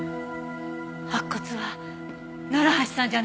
白骨は楢橋さんじゃなかった。